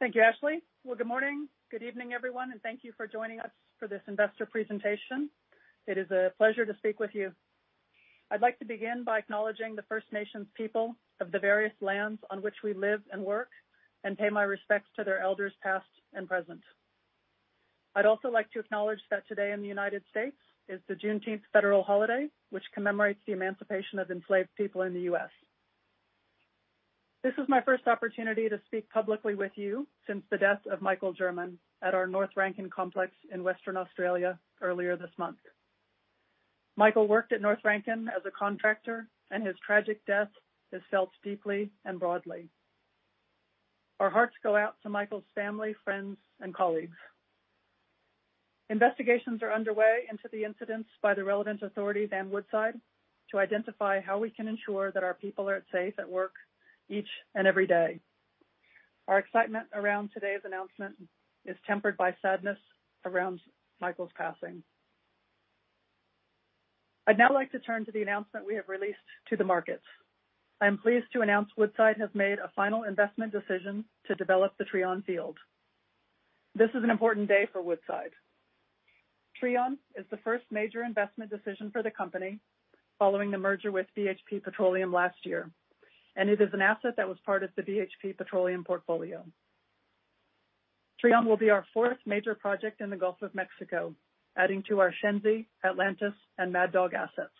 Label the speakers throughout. Speaker 1: Thank you, Ashley. Well, good morning, good evening, everyone, and thank you for joining us for this investor presentation. It is a pleasure to speak with you. I'd like to begin by acknowledging the First Nations people of the various lands on which we live and work, and pay my respects to their elders, past and present. I'd also like to acknowledge that today in the United States is the Juneteenth federal holiday, which commemorates the emancipation of enslaved people in the U.S. This is my first opportunity to speak publicly with you since the death of Michael Jurman at our North Rankin Complex in Western Australia earlier this month. Michael worked at North Rankin as a contractor, and his tragic death is felt deeply and broadly. Our hearts go out to Michael's family, friends, and colleagues. Investigations are underway into the incidents by the relevant authorities and Woodside to identify how we can ensure that our people are safe at work each and every day. Our excitement around today's announcement is tempered by sadness around Michael's passing. I'd now like to turn to the announcement we have released to the markets. I'm pleased to announce Woodside has made a final investment decision to develop the Trion field. This is an important day for Woodside. Trion is the first major investment decision for the company following the merger with BHP Petroleum last year, and it is an asset that was part of the BHP Petroleum portfolio. Trion will be our fourth major project in the Gulf of Mexico, adding to our Shenzi, Atlantis, and Mad Dog assets.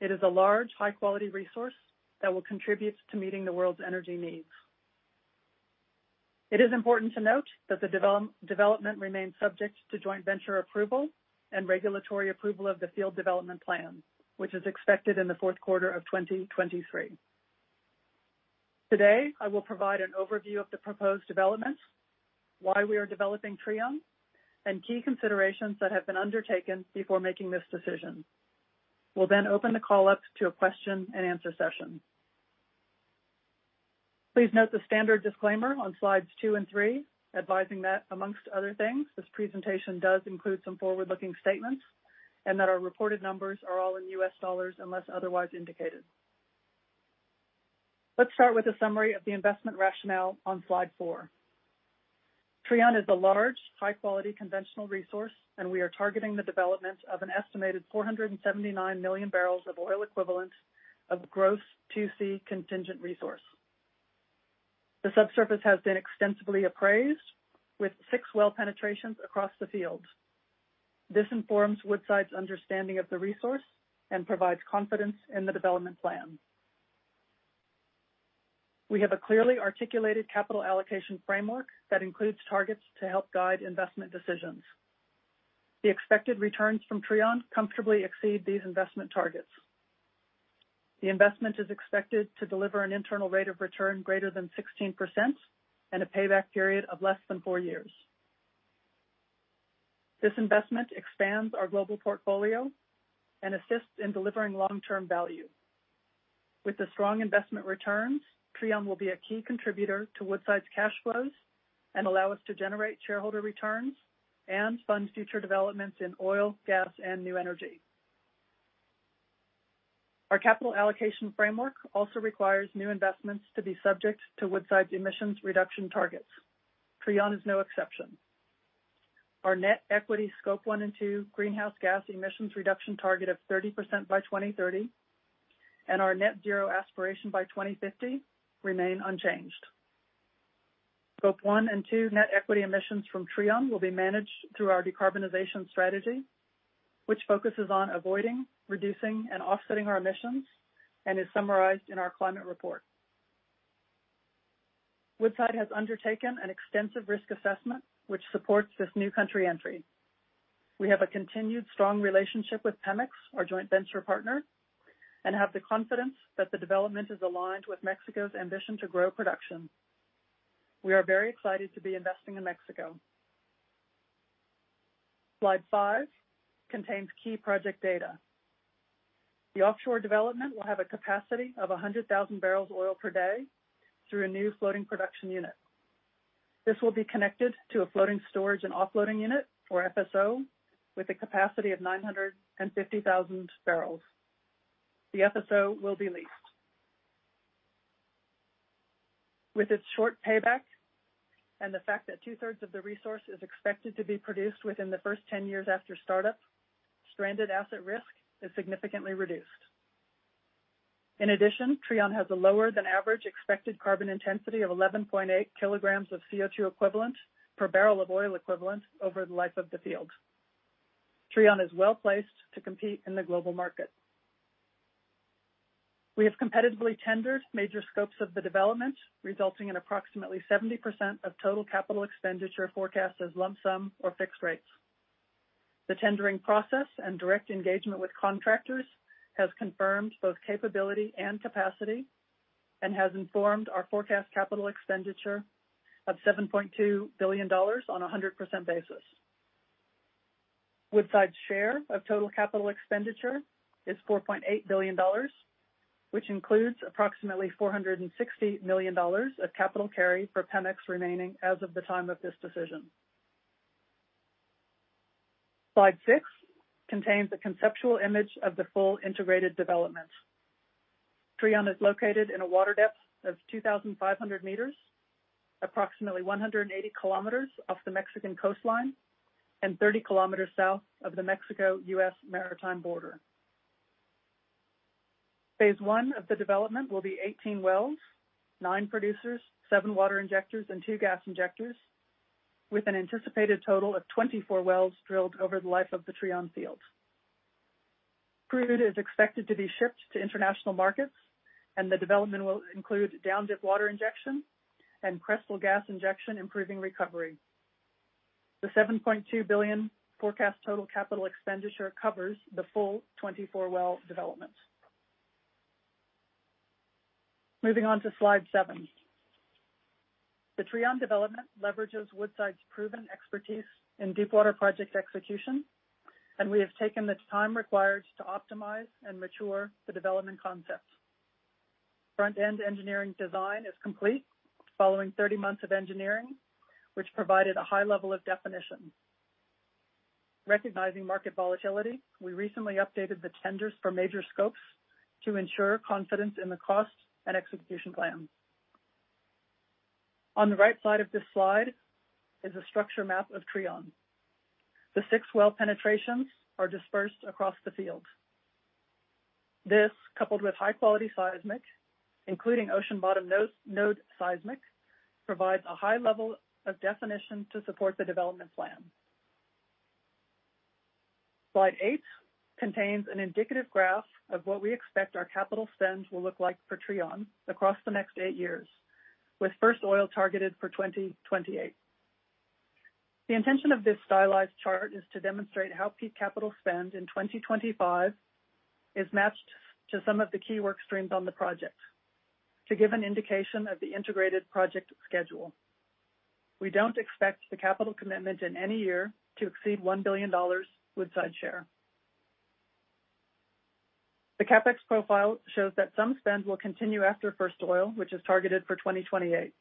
Speaker 1: It is a large, high-quality resource that will contribute to meeting the world's energy needs. It is important to note that the development remains subject to joint venture approval and regulatory approval of the field development plan, which is expected in the fourth quarter of 2023. Today, I will provide an overview of the proposed developments, why we are developing Trion, and key considerations that have been undertaken before making this decision. We'll open the call up to a question-and-answer session. Please note the standard disclaimer on slides two and three, advising that, amongst other things, this presentation does include some forward-looking statements, and that our reported numbers are all in U.S. dollars, unless otherwise indicated. Let's start with a summary of the investment rationale on slide four. Trion is a large, high-quality, conventional resource, and we are targeting the development of an estimated 479 million barrels of oil equivalent of gross 2C contingent resource. The subsurface has been extensively appraised with six well penetrations across the field. This informs Woodside's understanding of the resource and provides confidence in the development plan. We have a clearly articulated capital allocation framework that includes targets to help guide investment decisions. The expected returns from Trion comfortably exceed these investment targets. The investment is expected to deliver an internal rate of return greater than 16% and a payback period of less than four years. This investment expands our global portfolio and assists in delivering long-term value. With the strong investment returns, Trion will be a key contributor to Woodside's cash flows and allow us to generate shareholder returns and fund future developments in oil, gas, and new energy. Our capital allocation framework also requires new investments to be subject to Woodside's emissions reduction targets. Trion is no exception. Our net equity Scope 1 and 2 greenhouse gas emissions reduction target of 30% by 2030, and our net zero aspiration by 2050 remain unchanged. Scope 1 and 2 net equity emissions from Trion will be managed through our decarbonization strategy, which focuses on avoiding, reducing, and offsetting our emissions and is summarized in our climate report. Woodside has undertaken an extensive risk assessment, which supports this new country entry. We have a continued strong relationship with Pemex, our joint venture partner, and have the confidence that the development is aligned with Mexico's ambition to grow production. We are very excited to be investing in Mexico. Slide five contains key project data. The offshore development will have a capacity of 100,000 barrels of oil per day through a new floating production unit. This will be connected to a floating storage and offloading unit, or FSO, with a capacity of 950,000 barrels. The FSO will be leased. With its short payback and the fact that 2/3 of the resource is expected to be produced within the first 10 years after start-up, stranded asset risk is significantly reduced. In addition, Trion has a lower-than-average expected carbon intensity of 11.8 kg of CO2 equivalent per barrel of oil equivalent over the life of the field. Trion is well-placed to compete in the global market. We have competitively tendered major scopes of the development, resulting in approximately 70% of total capital expenditure forecast as lump sum or fixed rates. The tendering process and direct engagement with contractors has confirmed both capability and capacity and has informed our forecast capital expenditure of $7.2 billion on a 100% basis. Woodside's share of total capital expenditure is $4.8 billion, which includes approximately $460 million of capital carry for Pemex remaining as of the time of this decision. Slide six contains a conceptual image of the full integrated development. Trion is located in a water depth of 2,500 m, approximately 180 km off the Mexican coastline, 30 km south of the Mexico-U.S. maritime border. Phase I of the development will be 18 wells, nine producers, seven water injectors, and two gas injectors, with an anticipated total of 24 wells drilled over the life of the Trion field. Crude is expected to be shipped to international markets, and the development will include down dip water injection and crestal gas injection, improving recovery. The $7.2 billion forecast total capital expenditure covers the full 24 well development. Moving on to slide seven. The Trion development leverages Woodside's proven expertise in deepwater project execution, and we have taken the time required to optimize and mature the development concepts. Front-end engineering design is complete following 30 months of engineering, which provided a high level of definition. Recognizing market volatility, we recently updated the tenders for major scopes to ensure confidence in the cost and execution plan. On the right side of this slide is a structure map of Trion. The six well penetrations are dispersed across the field. This, coupled with high-quality seismic, including ocean bottom node seismic, provides a high level of definition to support the development plan. Slide eight contains an indicative graph of what we expect our capital spend will look like for Trion across the next eight years, with first oil targeted for 2028. The intention of this stylized chart is to demonstrate how peak capital spend in 2025 is matched to some of the key work streams on the project to give an indication of the integrated project schedule. We don't expect the capital commitment in any year to exceed $1 billion Woodside share. The CapEx profile shows that some spend will continue after first oil, which is targeted for 2028.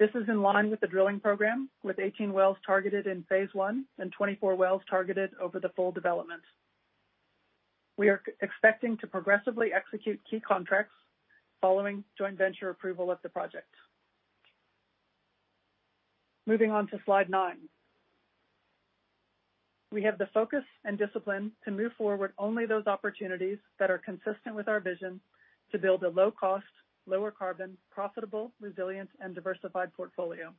Speaker 1: This is in line with the drilling program, with 18 wells targeted in phase I and 24 wells targeted over the full development. We are expecting to progressively execute key contracts following joint venture approval of the project. Moving on to slide nine. We have the focus and discipline to move forward only those opportunities that are consistent with our vision to build a low cost, lower carbon, profitable, resilient, and diversified portfolio.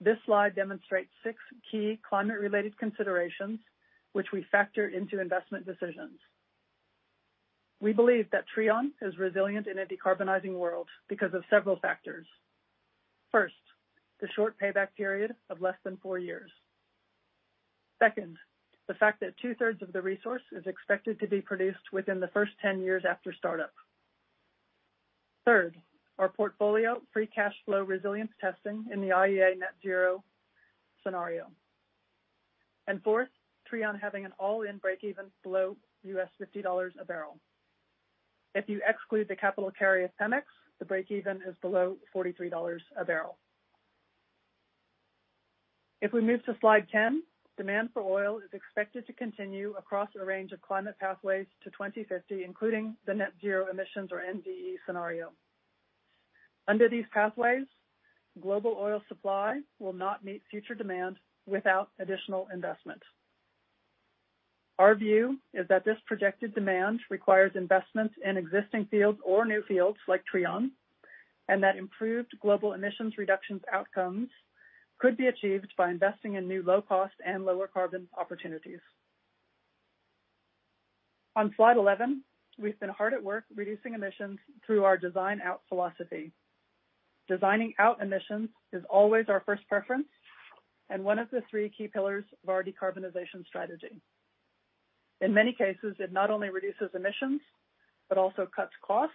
Speaker 1: This slide demonstrates six key climate-related considerations which we factor into investment decisions. We believe that Trion is resilient in a decarbonizing world because of several factors. First, the short payback period of less than four years. Second, the fact that 2/3 of the resource is expected to be produced within the first 10 years after start-up. Third, our portfolio free cash flow resilience testing in the IEA Net Zero scenario. Fourth, Trion having an all-in breakeven below $50 a barrel. If you exclude the capital carry of Pemex, the breakeven is below $43 a barrel. If we move to slide 10, demand for oil is expected to continue across a range of climate pathways to 2050, including the Net Zero Emissions, or NZE Scenario. Under these pathways, global oil supply will not meet future demand without additional investment. Our view is that this projected demand requires investments in existing fields or new fields like Trion, and that improved global emissions reductions outcomes could be achieved by investing in new low cost and lower carbon opportunities. On slide 11, we've been hard at work reducing emissions through our design out philosophy. Designing out emissions is always our first preference and one of the three key pillars of our decarbonization strategy. In many cases, it not only reduces emissions, but also cuts costs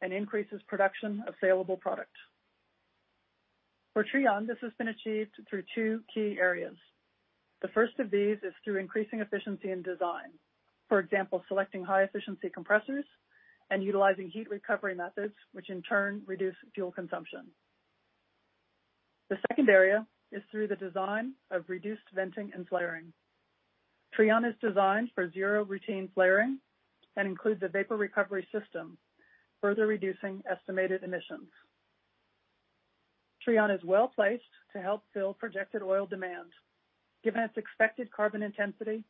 Speaker 1: and increases production of saleable product. For Trion, this has been achieved through two key areas. The first of these is through increasing efficiency and design. For example, selecting high efficiency compressors and utilizing heat recovery methods, which in turn reduce fuel consumption. The second area is through the design of reduced venting and flaring. Trion is designed for zero routine flaring and includes a vapor recovery system, further reducing estimated emissions. Trion is well-placed to help fill projected oil demand, given its expected carbon intensity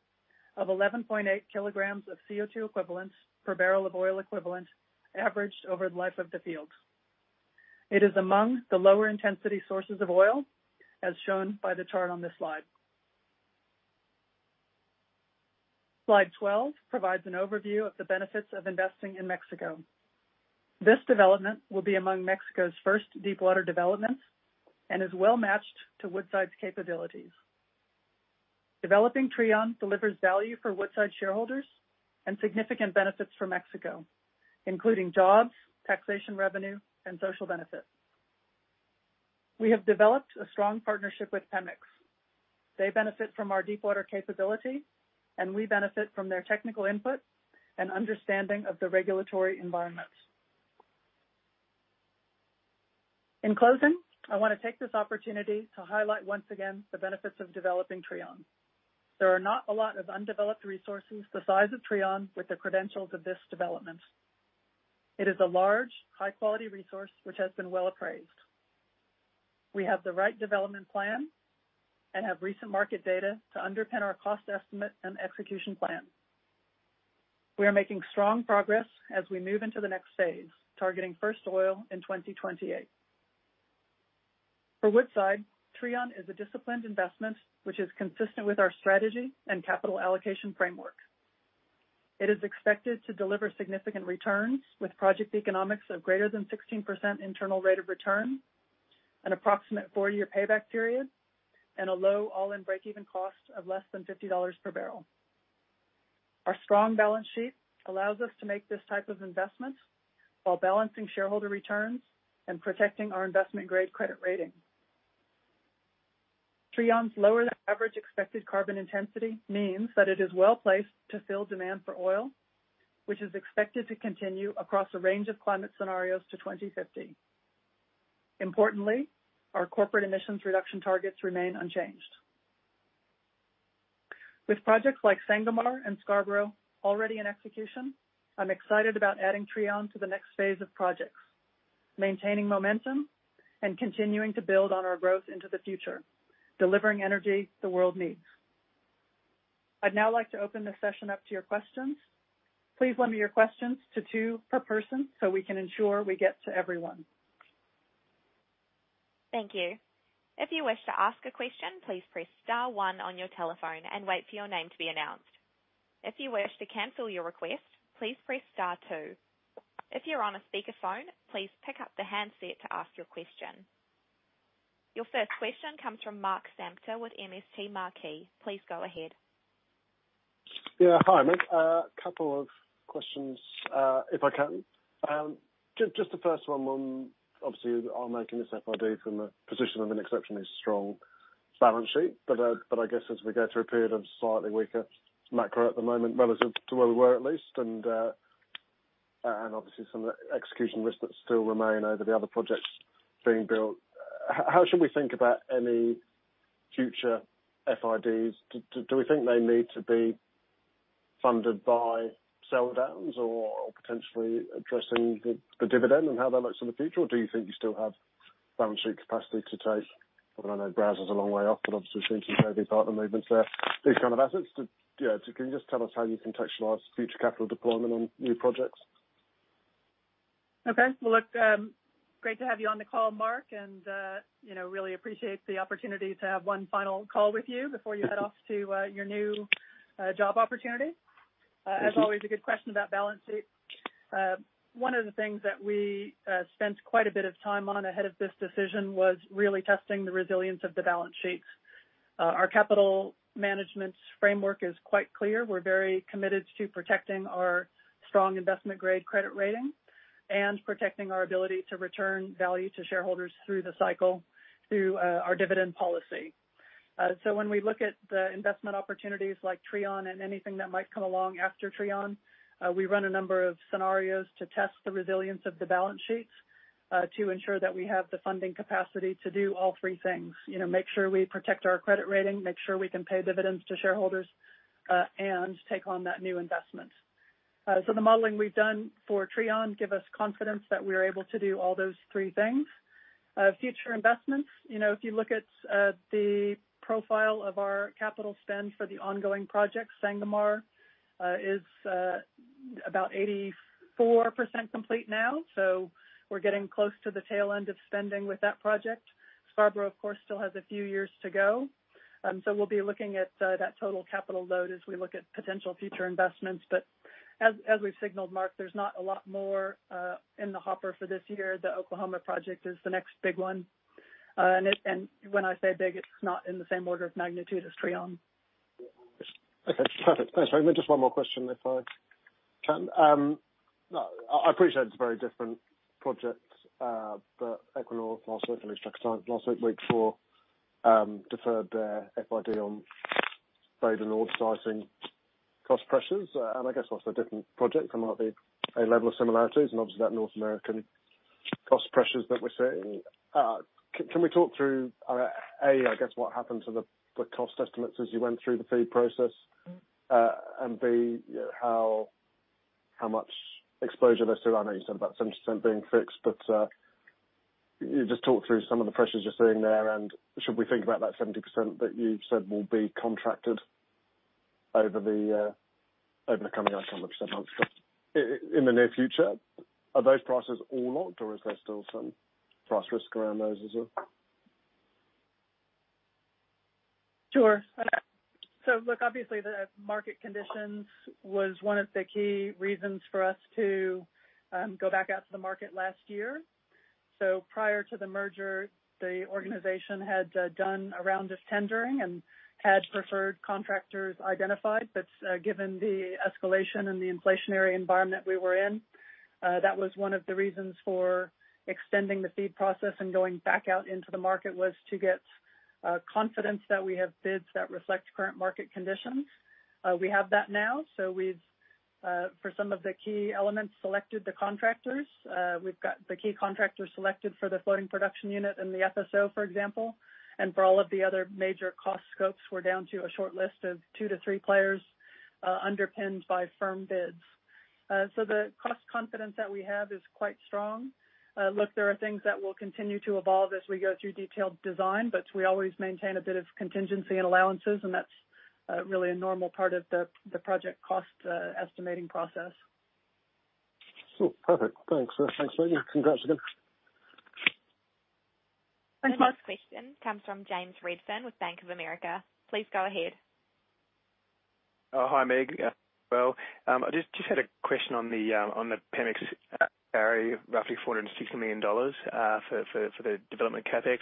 Speaker 1: of 11.8 kg of CO2 equivalents per barrel of oil equivalent, averaged over the life of the field. It is among the lower intensity sources of oil, as shown by the chart on this slide. Slide 12 provides an overview of the benefits of investing in Mexico. This development will be among Mexico's first deepwater developments and is well-matched to Woodside's capabilities. Developing Trion delivers value for Woodside shareholders and significant benefits for Mexico, including jobs, taxation revenue, and social benefits. We have developed a strong partnership with Pemex. They benefit from our deepwater capability, and we benefit from their technical input and understanding of the regulatory environment. In closing, I wanna take this opportunity to highlight once again the benefits of developing Trion. There are not a lot of undeveloped resources the size of Trion with the credentials of this development. It is a large, high quality resource, which has been well appraised. We have the right development plan and have recent market data to underpin our cost estimate and execution plan. We are making strong progress as we move into the next phase, targeting first oil in 2028. For Woodside, Trion is a disciplined investment, which is consistent with our strategy and capital allocation framework. It is expected to deliver significant returns with project economics of greater than 16% internal rate of return, an approximate four-year payback period, and a low all-in break-even cost of less than $50 per barrel. Our strong balance sheet allows us to make this type of investment while balancing shareholder returns and protecting our investment-grade credit rating. Trion's lower than average expected carbon intensity means that it is well-placed to fill demand for oil, which is expected to continue across a range of climate scenarios to 2050. Importantly, our corporate emissions reduction targets remain unchanged. With projects like Sangomar and Scarborough already in execution, I'm excited about adding Trion to the next phase of projects, maintaining momentum and continuing to build on our growth into the future, delivering energy the world needs. I'd now like to open the session up to your questions. Please limit your questions to two per person, so we can ensure we get to everyone.
Speaker 2: Thank you. If you wish to ask a question, please press star one on your telephone and wait for your name to be announced. If you wish to cancel your request, please press star two. If you're on a speakerphone, please pick up the handset to ask your question. Your first question comes from Mark Samter with MST Marquee. Please go ahead.
Speaker 3: Yeah. Hi, Meg. A couple of questions, if I can. Just the first one, obviously, you are making this FID from the position of an exceptionally strong balance sheet. I guess as we go through a period of slightly weaker macro at the moment, relative to where we were, at least, and obviously some of the execution risks that still remain over the other projects being built, how should we think about any future FIDs? Do we think they need to be funded by sell downs or potentially addressing the dividend and how that looks in the future? Do you think you still have balance sheet capacity to take, and I know Brazos is a long way off, but obviously, since you've made these partner movements there, these kind of assets to... Yeah, can you just tell us how you contextualize future capital deployment on new projects?
Speaker 1: Okay. Well, look, great to have you on the call, Mark, and, you know, really appreciate the opportunity to have one final call with you before you head off to, your new, job opportunity. As always, a good question about balance sheet. One of the things that we spent quite a bit of time on ahead of this decision was really testing the resilience of the balance sheets. Our capital management framework is quite clear. We're very committed to protecting our strong investment-grade credit rating and protecting our ability to return value to shareholders through the cycle, through our dividend policy. When we look at the investment opportunities like Trion and anything that might come along after Trion, we run a number of scenarios to test the resilience of the balance sheets to ensure that we have the funding capacity to do all three things. You know, make sure we protect our credit rating, make sure we can pay dividends to shareholders and take on that new investment. The modeling we've done for Trion give us confidence that we are able to do all those three things. Future investments, you know, if you look at the profile of our capital spend for the ongoing project, Sangomar is about 84% complete now, so we're getting close to the tail end of spending with that project. Scarborough, of course, still has a few years to go. We'll be looking at that total capital load as we look at potential future investments. As, as we've signaled, Mark, there's not a lot more in the hopper for this year. The Oklahoma project is the next big one. When I say big, it's not in the same order of magnitude as Trion.
Speaker 3: Okay, perfect. Thanks, very much. Just one more question, if I can. No, I appreciate it's a very different project, but Equinor, last week week four, deferred their FID on Bay du Nord, citing cost pressures. I guess whilst they're different projects, there might be a level of similarities and obviously that North American cost pressures that we're seeing. Can we talk through, A, I guess, what happened to the cost estimates as you went through the FEED process? B, how much exposure there still are? I know you said about 70% being fixed, you just talked through some of the pressures you're seeing there, should we think about that 70% that you've said will be contracted over the, over the coming, I don't know, several months, in the near future, are those prices all locked, or is there still some price risk around those as well?
Speaker 1: Sure. Look, obviously, the market conditions was one of the key reasons for us to go back out to the market last year. Prior to the merger, the organization had done a round of tendering and had preferred contractors identified. Given the escalation and the inflationary environment we were in, that was one of the reasons for extending the FEED process and going back out into the market, was to get confidence that we have bids that reflect current market conditions. We have that now, so we've for some of the key elements, selected the contractors. We've got the key contractors selected for the floating production unit and the FSO, for example, and for all of the other major cost scopes, we're down to a short list of two to three players, underpinned by firm bids. The cost confidence that we have is quite strong. Look, there are things that will continue to evolve as we go through detailed design, but we always maintain a bit of contingency and allowances, and that's really a normal part of the project cost, estimating process.
Speaker 3: Cool. Perfect. Thanks, thanks, Meg, and congrats again.
Speaker 1: Thank you.
Speaker 2: The next question comes from James Redfern with Bank of America. Please go ahead.
Speaker 4: Hi, Meg. I just had a question on the Pemex carry, roughly $460 million for the development CapEx.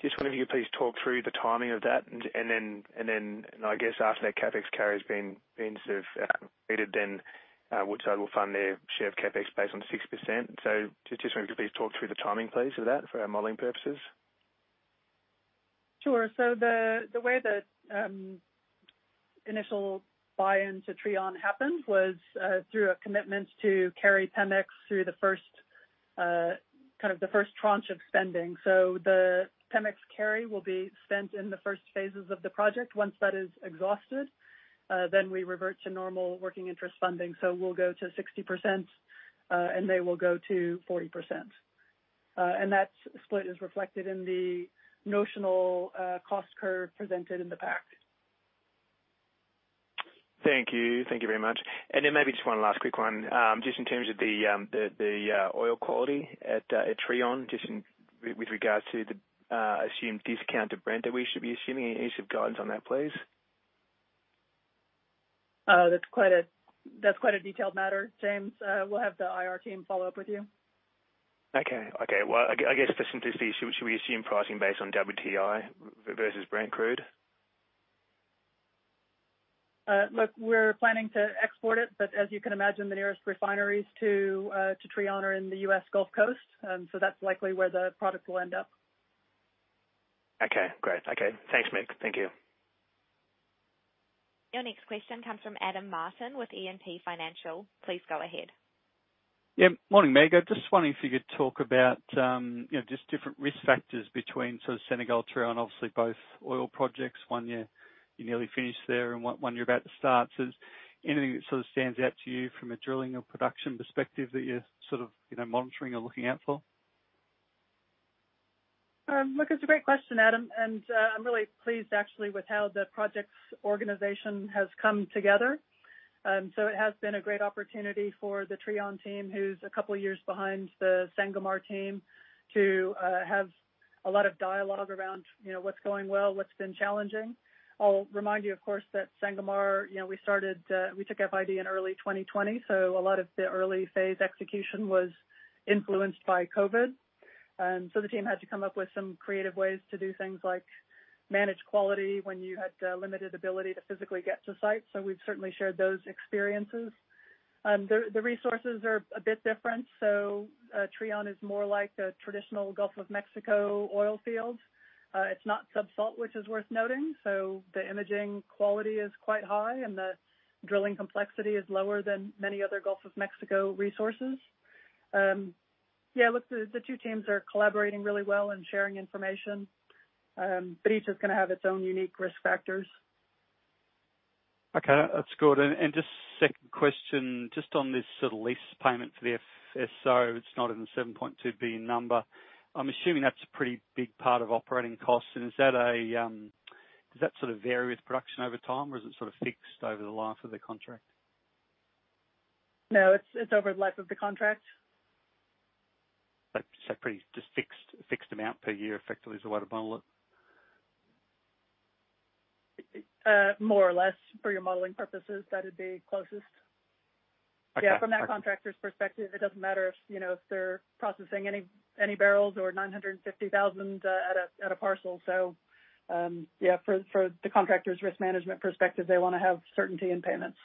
Speaker 4: Just wonder if you could please talk through the timing of that, I guess after that CapEx carry has been vetted, Woodside will fund their share of CapEx based on 6%. Just wonder if you could please talk through the timing, please, of that for our modeling purposes?
Speaker 1: Sure. The way the initial buy-in to Trion happened was through a commitment to carry Pemex through the first kind of the first tranche of spending. The Pemex carry will be spent in the first phases of the project. Once that is exhausted, we revert to normal working interest funding, so we'll go to 60% and they will go to 40%. That split is reflected in the notional cost curve presented in the pack.
Speaker 4: Thank you. Thank you very much. Then maybe just one last quick one. Just in terms of the oil quality at Trion, just in with regards to the assumed discount of Brent that we should be assuming. Any sort of guidance on that, please?
Speaker 1: That's quite a detailed matter, James. We'll have the IR team follow up with you.
Speaker 4: Okay, well, I guess, for simplicity, should we assume pricing based on WTI versus Brent Crude?
Speaker 1: Look, we're planning to export it, but as you can imagine, the nearest refineries to Trion are in the U.S. Gulf Coast. That's likely where the product will end up.
Speaker 4: Okay, great. Okay. Thanks, Meg. Thank you.
Speaker 2: Your next question comes from Adam Martin with E&P Financial. Please go ahead.
Speaker 5: Yeah, morning, Meg. I just wondering if you could talk about, you know, just different risk factors between sort of Sangomar and Trion, obviously both oil projects, one you nearly finished there and one you're about to start. Is anything that sort of stands out to you from a drilling or production perspective that you're sort of, you know, monitoring or looking out for?
Speaker 1: Look, it's a great question, Adam, and I'm really pleased actually with how the projects organization has come together. It has been a great opportunity for the Trion team, who's a couple of years behind the Sangomar team, to have a lot of dialogue around, you know, what's going well, what's been challenging. I'll remind you, of course, that Sangomar, you know, we started, we took FID in early 2020, so a lot of the early phase execution was influenced by COVID. The team had to come up with some creative ways to do things like manage quality when you had limited ability to physically get to site. We've certainly shared those experiences. The resources are a bit different. Trion is more like a traditional Gulf of Mexico oil field. It's not sub-salt, which is worth noting, so the imaging quality is quite high, and the drilling complexity is lower than many other Gulf of Mexico resources. Yeah, look, the two teams are collaborating really well and sharing information, but each is gonna have its own unique risk factors.
Speaker 5: Okay, that's good. Just second question, just on this sort of lease payment for the FSO, it's not in the $7.2 billion number. I'm assuming that's a pretty big part of operating costs. Is that a, does that sort of vary with production over time, or is it sort of fixed over the life of the contract?
Speaker 1: No, it's over the life of the contract.
Speaker 5: Pretty just fixed, a fixed amount per year, effectively, is the way to bundle it?
Speaker 1: More or less, for your modeling purposes, that would be closest. From that contractor's perspective, it doesn't matter if, you know, if they're processing any barrels or 950,000 at a parcel. Yeah, for the contractor's risk management perspective, they wanna have certainty in payments.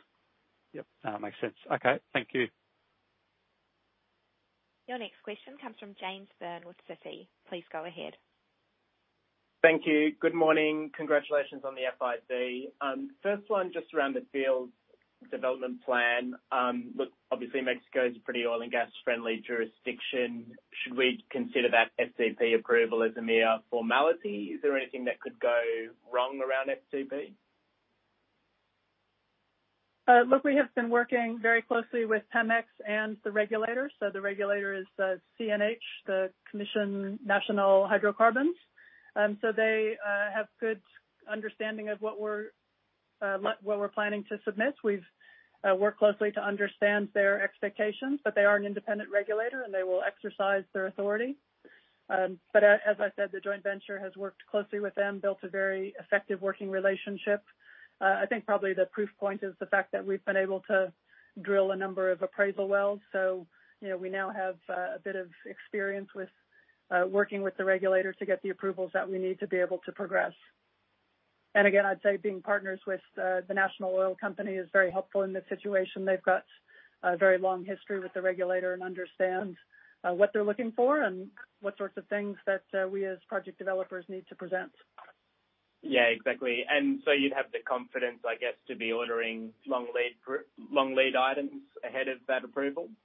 Speaker 5: Yep. Makes sense. Okay, thank you.
Speaker 2: Your next question comes from James Byrne with Citi. Please go ahead.
Speaker 6: Thank you. Good morning. Congratulations on the FID. First one, just around the field's development plan. Obviously, Mexico is a pretty oil and gas-friendly jurisdiction. Should we consider that FCP approval as a mere formality? Is there anything that could go wrong around FCP?
Speaker 1: We have been working very closely with Pemex and the regulators, the regulator is the CNH, the Comisión Nacional de Hidrocarburos. They have good understanding of what we're planning to submit. We've worked closely to understand their expectations, they are an independent regulator, and they will exercise their authority. As I said, the joint venture has worked closely with them, built a very effective working relationship. I think probably the proof point is the fact that we've been able to drill a number of appraisal wells. You know, we now have a bit of experience with working with the regulators to get the approvals that we need to be able to progress. Again, I'd say being partners with the national oil company is very helpful in this situation. They've got a very long history with the regulator and understand, what they're looking for and what sorts of things that, we as project developers need to present.
Speaker 6: Yeah, exactly. You'd have the confidence, I guess, to be ordering long lead items ahead of that approval?
Speaker 1: Yeah,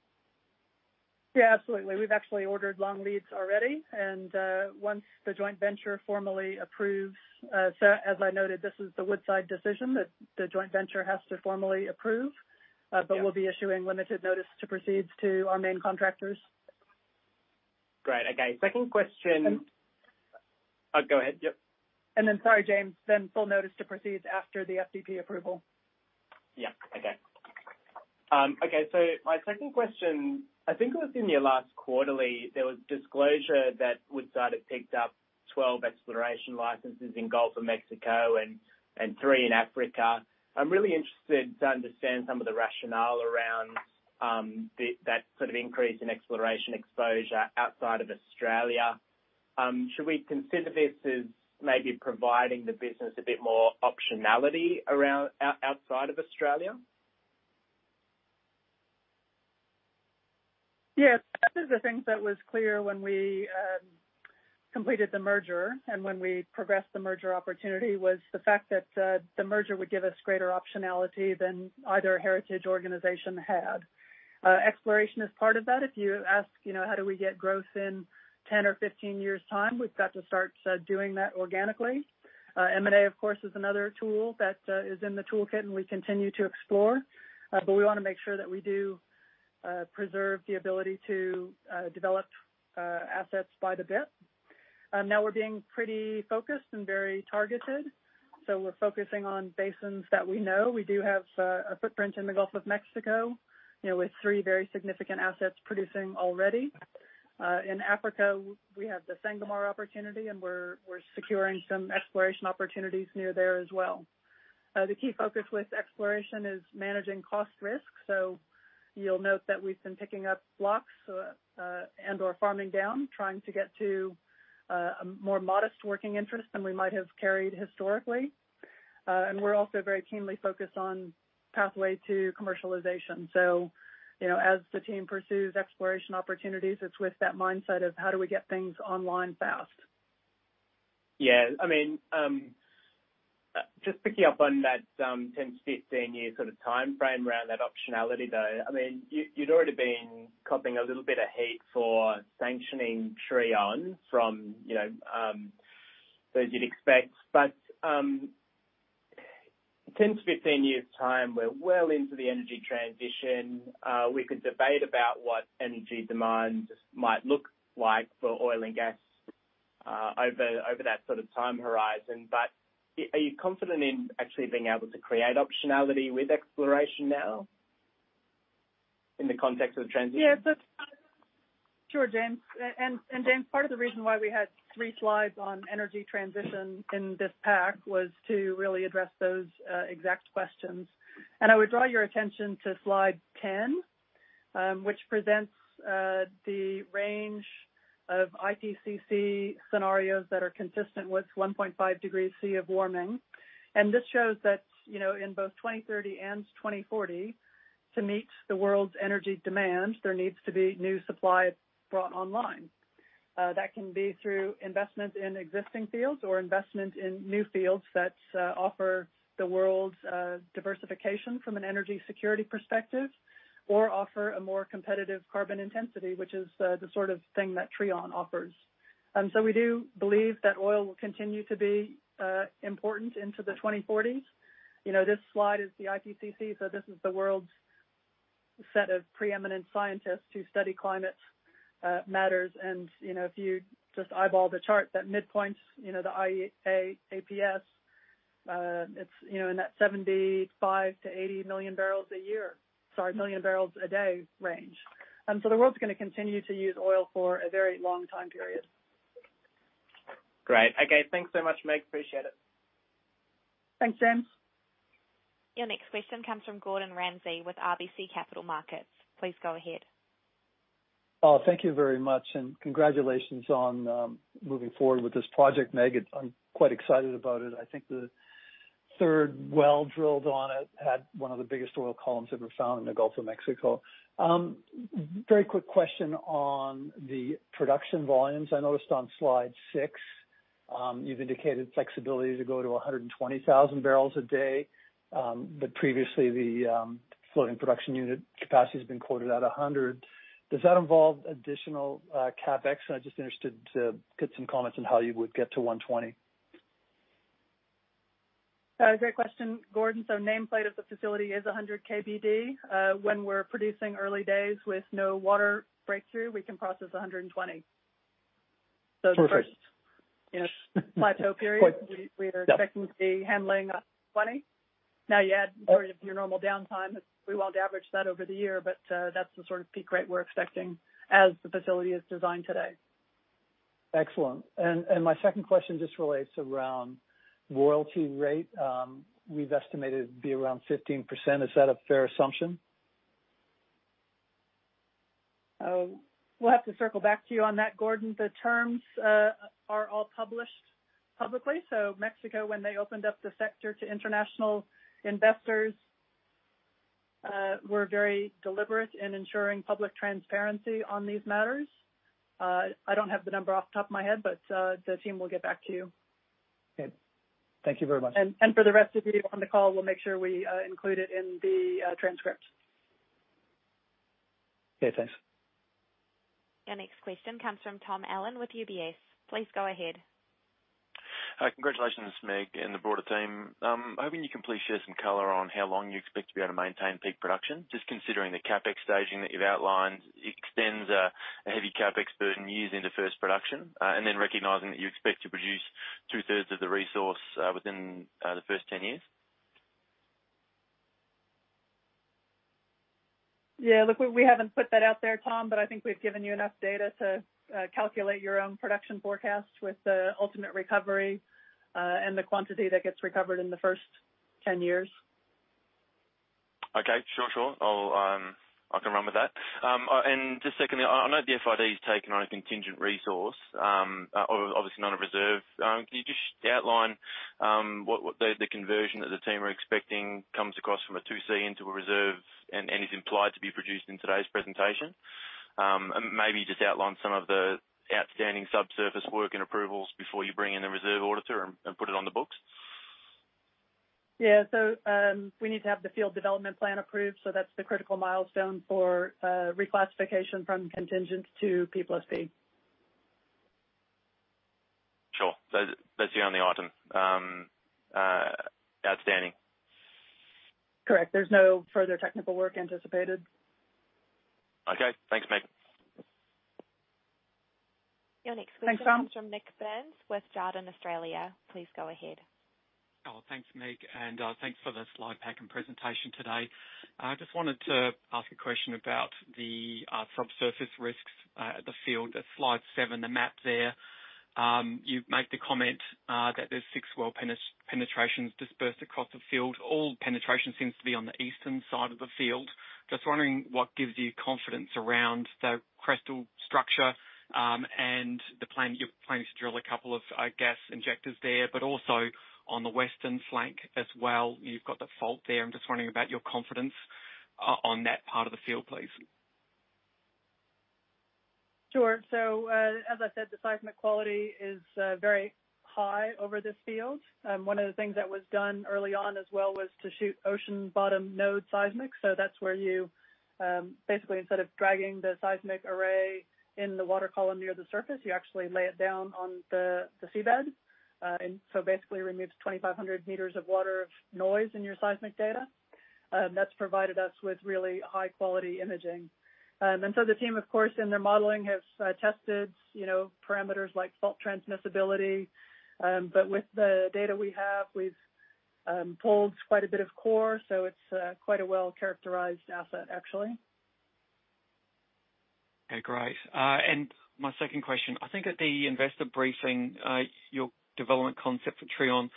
Speaker 1: absolutely. We've actually ordered long leads already, and once the joint venture formally approves, so as I noted, this is the Woodside decision that the joint venture has to formally approve.
Speaker 6: Yeah.
Speaker 1: We'll be issuing limited notice to proceed to our main contractors.
Speaker 6: Great. Okay, second question.
Speaker 1: And-
Speaker 6: Oh, go ahead. Yep.
Speaker 1: Sorry, James, then full notice to proceed after the FDP approval.
Speaker 6: Yeah. Okay. Okay. My second question, I think it was in your last quarterly, there was disclosure that Woodside had picked up 12 exploration licenses in Gulf of Mexico and three in Africa. I'm really interested to understand some of the rationale around, the, that sort of increase in exploration exposure outside of Australia. Should we consider this as maybe providing the business a bit more optionality around, outside of Australia?
Speaker 1: Yes, that is the thing that was clear when we completed the merger and when we progressed the merger opportunity, was the fact that the merger would give us greater optionality than either Heritage organization had. Exploration is part of that. If you ask, you know, how do we get growth in 10 or 15 years' time, we've got to start doing that organically. M&A, of course, is another tool that is in the toolkit, and we continue to explore, but we wanna make sure that we do preserve the ability to develop assets by the bit. Now we're being pretty focused and very targeted, so we're focusing on basins that we know. We do have a footprint in the Gulf of Mexico, you know, with three very significant assets producing already. In Africa, we have the Sangomar opportunity, and we're securing some exploration opportunities near there as well. The key focus with exploration is managing cost risk. You'll note that we've been picking up blocks, and/or farming down, trying to get to a more modest working interest than we might have carried historically. We're also very keenly focused on pathway to commercialization. You know, as the team pursues exploration opportunities, it's with that mindset of: How do we get things online fast?
Speaker 6: Yeah. I mean, just picking up on that, 10-15-year sort of timeframe around that optionality, though, I mean, you'd already been copping a little bit of hate for sanctioning Trion from, you know, as you'd expect. 10-15 years' time, we're well into the energy transition. We could debate about what energy demand might look like for oil and gas over that sort of time horizon. Are you confident in actually being able to create optionality with exploration now in the context of transition?
Speaker 1: Sure, James. James, part of the reason why we had three slides on energy transition in this pack was to really address those exact questions. I would draw your attention to slide 10, which presents the range of IPCC scenarios that are consistent with 1.5 degrees C of warming. This shows that, you know, in both 2030 and 2040, to meet the world's energy demand, there needs to be new supply brought online. That can be through investment in existing fields or investment in new fields that offer the world diversification from an energy security perspective, or offer a more competitive carbon intensity, which is the sort of thing that Trion offers. We do believe that oil will continue to be important into the 2040s. You know, this slide is the IPCC, this is the world's set of preeminent scientists who study climate matters. You know, if you just eyeball the chart, that midpoint, the IEA APS, it's in that 75 million-80 million barrels a day range. The world's gonna continue to use oil for a very long time period.
Speaker 6: Great. Okay, thanks so much, Meg. Appreciate it.
Speaker 1: Thanks, James.
Speaker 2: Your next question comes from Gordon Ramsay with RBC Capital Markets. Please go ahead.
Speaker 7: Oh, thank you very much, and congratulations on moving forward with this project, Meg. I'm quite excited about it. I think the third well drilled on it had one of the biggest oil columns ever found in the Gulf of Mexico. Very quick question on the production volumes. I noticed on slide six, you've indicated flexibility to go to 120,000 barrels a day, but previously the floating production unit capacity has been quoted at 100. Does that involve additional CapEx? I'm just interested to get some comments on how you would get to 120?
Speaker 1: Great question, Gordon. Nameplate of the facility is 100 KBD. When we're producing early days with no water breakthrough, we can process 120.
Speaker 7: Perfect.
Speaker 1: The first, you know, plateau period.
Speaker 7: Yep.
Speaker 1: We are expecting to be handling up 120. You add sort of your normal downtime, we want to average that over the year, but, that's the sort of peak rate we're expecting as the facility is designed today.
Speaker 7: Excellent. My second question just relates around royalty rate. We've estimated it'd be around 15%. Is that a fair assumption?
Speaker 1: We'll have to circle back to you on that, Gordon. The terms are all published publicly. Mexico, when they opened up the sector to international investors, we're very deliberate in ensuring public transparency on these matters. I don't have the number off the top of my head, but the team will get back to you.
Speaker 7: Okay, thank you very much.
Speaker 1: For the rest of you on the call, we'll make sure we include it in the transcript.
Speaker 7: Okay, thanks.
Speaker 2: Your next question comes from Tom Allen with UBS. Please go ahead.
Speaker 8: Hi. Congratulations, Meg, and the broader team. Hoping you can please share some color on how long you expect to be able to maintain peak production. Just considering the CapEx staging that you've outlined, extends a heavy CapEx burden years into first production, and then recognizing that you expect to produce 2/3 of the resource within the first 10 years.
Speaker 1: Yeah, look, we haven't put that out there, Tom, but I think we've given you enough data to calculate your own production forecast with the ultimate recovery, and the quantity that gets recovered in the first 10 years.
Speaker 8: Sure, sure. I'll, I can run with that. Just secondly, I know the FID is taken on a contingent resource, obviously not a reserve. Can you just outline what the conversion that the team are expecting comes across from a 2C into a reserve and is implied to be produced in today's presentation? Maybe just outline some of the outstanding subsurface work and approvals before you bring in the reserve auditor and put it on the books.
Speaker 1: Yeah. We need to have the field development plan approved, so that's the critical milestone for reclassification from contingent to P plus P.
Speaker 8: Sure. That's you on the autumn. Outstanding.
Speaker 1: Correct. There's no further technical work anticipated.
Speaker 8: Okay. Thanks, Meg.
Speaker 2: Your next question-
Speaker 1: Thanks, Tom.
Speaker 2: from Nik Burns with Jarden Australia. Please go ahead.
Speaker 9: Thanks, Meg, thanks for the slide pack and presentation today. I just wanted to ask a question about the subsurface risks at the field. At slide seven, the map, you make the comment that there's six well penetrations dispersed across the field. All penetration seems to be on the eastern side of the field. Just wondering what gives you confidence around the crestal structure, and the plan, your plan is to drill a couple of, I guess, injectors there, but also on the western flank as well. You've got the fault there. I'm just wondering about your confidence on that part of the field, please.
Speaker 1: Sure. As I said, the seismic quality is very high over this field. One of the things that was done early on as well, was to shoot ocean bottom node seismic. That's where you, basically, instead of dragging the seismic array in the water column near the surface, you actually lay it down on the seabed. Basically removes 2,500 m of water of noise in your seismic data. That's provided us with really high quality imaging. The team, of course, in their modeling, has tested, you know, parameters like fault transmissibility. With the data we have, we've pulled quite a bit of core, so it's quite a well-characterized asset, actually.
Speaker 9: Okay, great. My second question, I think at the investor briefing, your development concept for Trion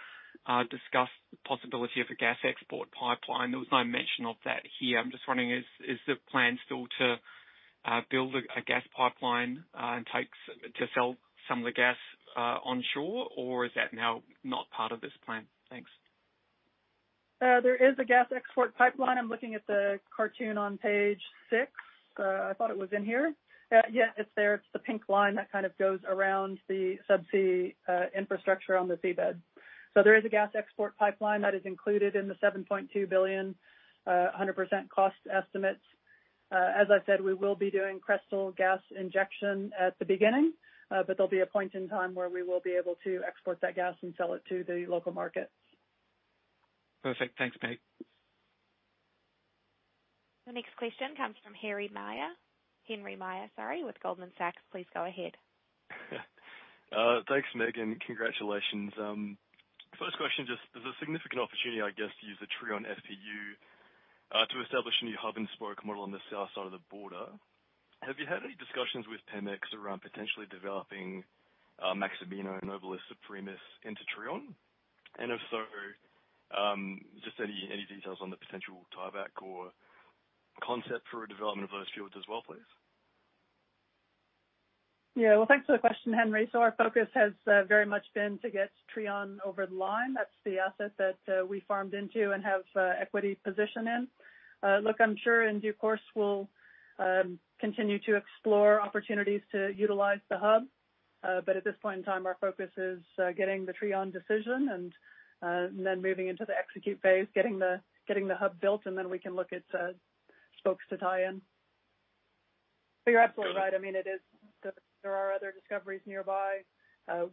Speaker 9: discussed the possibility of a gas export pipeline. There was no mention of that here. I'm just wondering, is the plan still to build a gas pipeline to sell some of the gas onshore? Or is that now not part of this plan? Thanks.
Speaker 1: There is a gas export pipeline. I'm looking at the cartoon on page six. I thought it was in here. Yeah, it's there. It's the pink line that kind of goes around the subsea infrastructure on the seabed. There is a gas export pipeline that is included in the $7.2 billion 100% cost estimates. As I said, we will be doing crestal gas injection at the beginning, but there'll be a point in time where we will be able to export that gas and sell it to the local markets.
Speaker 9: Perfect. Thanks, Meg.
Speaker 2: The next question comes from Henry Meyer with Goldman Sachs. Please go ahead.
Speaker 10: Thanks, Meg, and congratulations. First question, just, there's a significant opportunity, I guess, to use the Trion FPU to establish a new hub-and-spoke model on the south side of the border. Have you had any discussions with Pemex around potentially developing Maximino and Nobilis-Supremus into Trion? If so, just any details on the potential tieback or concept for a development of those fields as well, please?
Speaker 1: Yeah. Well, thanks for the question, Henry. Our focus has very much been to get Trion over the line. That's the asset that we farmed into and have equity position in. Look, I'm sure in due course we'll continue to explore opportunities to utilize the hub, at this point in time, our focus is getting the Trion decision and then moving into the execute phase, getting the hub built, and then we can look at spokes to tie in. You're absolutely right. I mean, there are other discoveries nearby.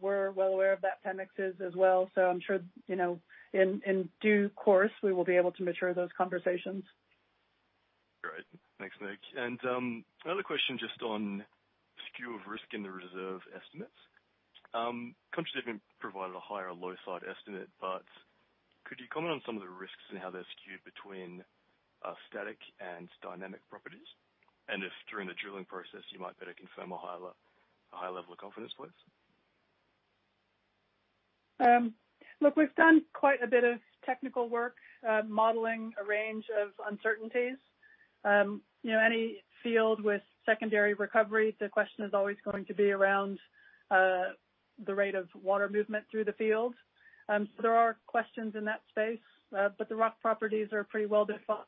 Speaker 1: We're well aware of that. Pemex is as well, I'm sure, you know, in due course, we will be able to mature those conversations.
Speaker 10: Great. Thanks, Meg. Another question just on skew of risk in the reserve estimates. Countries have been provided a higher or low side estimate, but could you comment on some of the risks and how they're skewed between static and dynamic properties? If during the drilling process, you might better confirm a higher level of confidence, please?
Speaker 1: Look, we've done quite a bit of technical work, modeling a range of uncertainties. You know, any field with secondary recovery, the question is always going to be around, the rate of water movement through the field. There are questions in that space, but the rock properties are pretty well defined.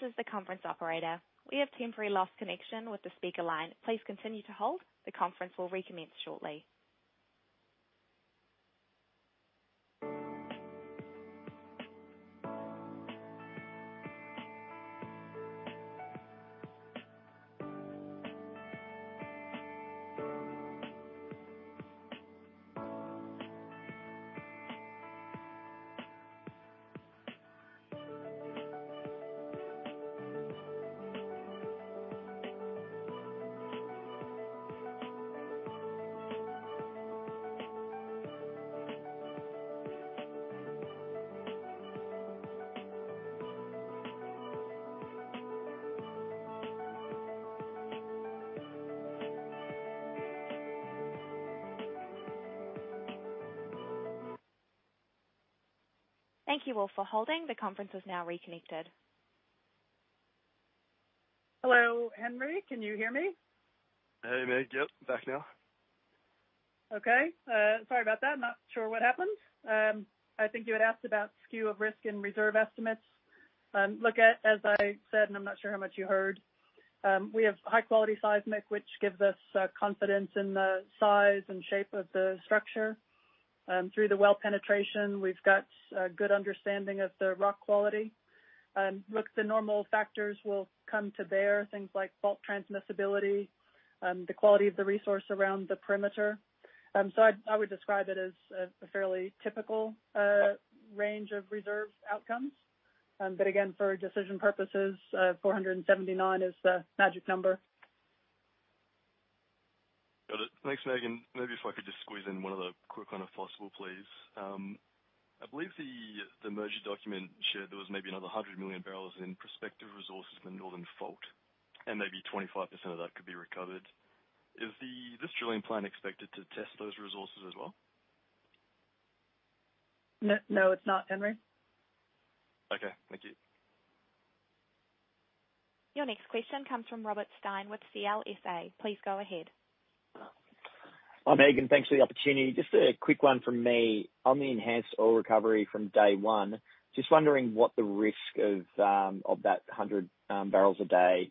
Speaker 2: This is the conference operator. We have temporarily lost connection with the speaker line. Please continue to hold. The conference will recommence shortly. Thank you all for holding. The conference is now reconnected.
Speaker 1: Hello, Henry, can you hear me?
Speaker 10: Hey, Meg. Yep, back now.
Speaker 1: Okay. Sorry about that. Not sure what happened. I think you had asked about skew of risk in reserve estimates. Look, as I said, and I'm not sure how much you heard, we have high-quality seismic, which gives us confidence in the size and shape of the structure. Through the well penetration, we've got a good understanding of the rock quality. Look, the normal factors will come to bear, things like fault transmissibility, the quality of the resource around the perimeter. I would describe it as a fairly typical range of reserve outcomes. Again, for decision purposes, 479 million is the magic number.
Speaker 10: Got it. Thanks, Meg. Maybe if I could just squeeze in one other quick one, if possible, please. I believe the merger document shared there was maybe another 100 million barrels in prospective resources in the Northern fault, and maybe 25% of that could be recovered. Is this drilling plan expected to test those resources as well?
Speaker 1: No, no, it's not, Henry.
Speaker 10: Okay, thank you.
Speaker 2: Your next question comes from Robert Stein with CLSA. Please go ahead.
Speaker 11: Hi, Meg. Thanks for the opportunity. Just a quick one from me. On the enhanced oil recovery from day one, just wondering what the risk of that 100 barrels a day,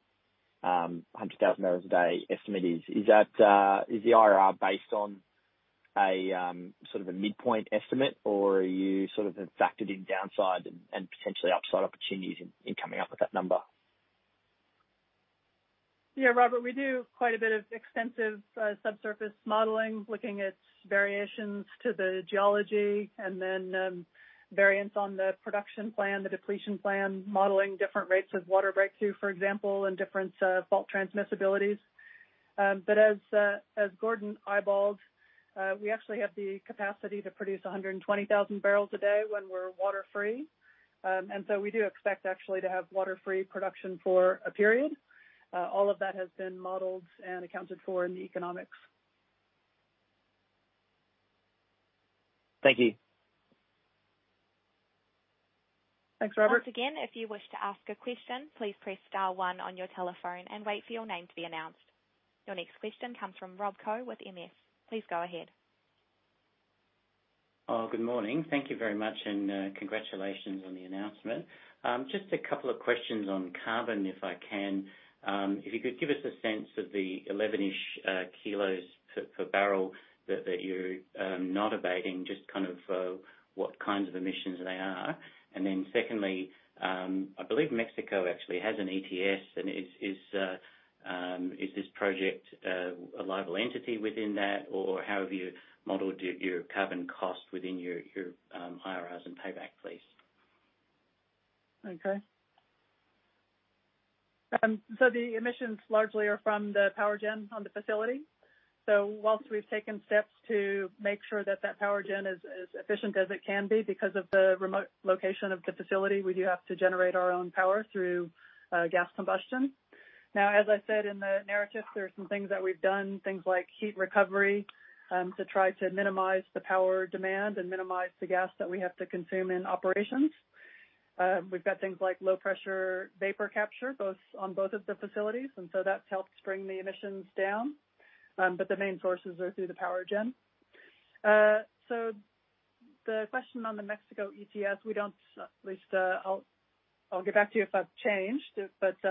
Speaker 11: 100,000 barrels a day estimate is. Is that, is the IRR based on a sort of a midpoint estimate, or you sort of have factored in downside and potentially upside opportunities in coming up with that number?
Speaker 1: Robert, we do quite a bit of extensive subsurface modeling, looking at variations to the geology, variance on the production plan, the depletion plan, modeling different rates of water breakthrough, for example, and different fault transmissibilities. As Gordon eyeballed, we actually have the capacity to produce 120,000 barrels a day when we're water-free. We do expect actually to have water-free production for a period. All of that has been modeled and accounted for in the economics.
Speaker 11: Thank you.
Speaker 1: Thanks, Robert.
Speaker 2: Once again, if you wish to ask a question, please press star one on your telephone and wait for your name to be announced. Your next question comes from Rob Koh with MS. Please go ahead.
Speaker 12: Good morning. Thank you very much, and congratulations on the announcement. Just a couple of questions on carbon, if I can. If you could give us a sense of the 11-ish kilos per barrel that you're not abating, just kind of what kinds of emissions they are. Secondly, I believe Mexico actually has an ETS, and is this project a liable entity within that? Or how have you modeled your carbon cost within your IRRs and payback, please?
Speaker 1: The emissions largely are from the power gen on the facility. Whilst we've taken steps to make sure that that power gen is efficient as it can be, because of the remote location of the facility, we do have to generate our own power through gas combustion. As I said in the narrative, there are some things that we've done, things like heat recovery, to try to minimize the power demand and minimize the gas that we have to consume in operations. We've got things like low pressure vapor capture, on both of the facilities, That's helped bring the emissions down. But the main sources are through the power gen. The question on the Mexico ETS, we don't, at least... I'll get back to you if I've changed,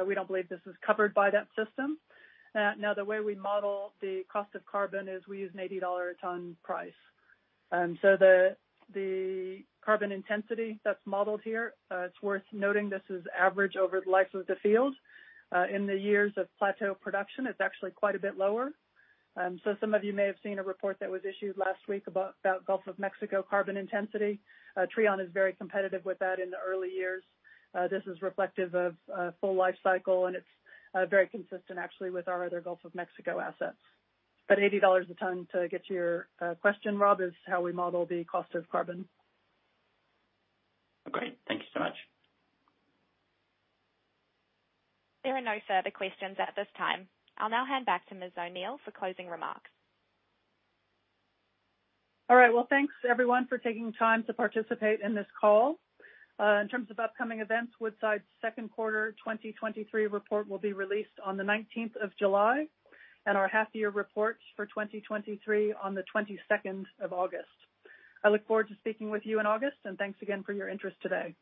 Speaker 1: we don't believe this is covered by that system. Now, the way we model the cost of carbon is we use a $80 a ton price. The carbon intensity that's modeled here, it's worth noting this is average over the life of the field. In the years of plateau production, it's actually quite a bit lower. Some of you may have seen a report that was issued last week about Gulf of Mexico carbon intensity. Trion is very competitive with that in the early years. This is reflective of a full life cycle, and it's very consistent actually with our other Gulf of Mexico assets. $80 a ton, to get to your question, Rob, is how we model the cost of carbon.
Speaker 12: Great. Thank you so much.
Speaker 2: There are no further questions at this time. I'll now hand back to Ms. O'Neill for closing remarks.
Speaker 1: All right. Well, thanks everyone for taking the time to participate in this call. In terms of upcoming events, Woodside's second quarter 2023 report will be released on the 19th of July. Our half-year report for 2023 on the 22nd of August. I look forward to speaking with you in August. Thanks again for your interest today.